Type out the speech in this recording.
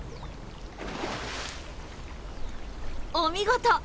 お見事！